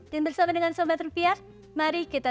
dan bersama dengan sobat rupiah mari kita